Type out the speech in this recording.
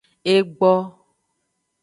Egbo.